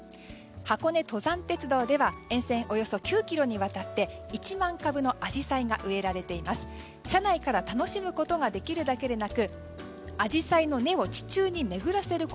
箱根登山鉄道では沿線およそ９ｋｍにわたって１万株のアジサイが植えられています。